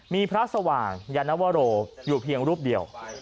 มีพระสว่างยานวโรอยู่เพียงรูปเดียว